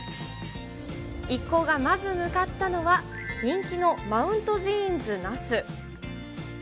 一行がまず向かったのは、人気のマウントジーンズ那須。